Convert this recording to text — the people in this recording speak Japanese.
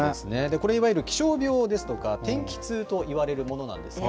これ、いわゆる気象病ですとか、天気痛といわれるものなんですね。